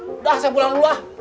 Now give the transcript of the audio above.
udah saya pulang dulu ah